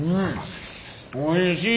おいしい。